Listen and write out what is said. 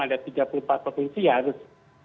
ada tiga puluh empat provinsi yang harus